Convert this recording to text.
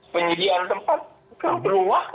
penyediaan tempat kan belum waktu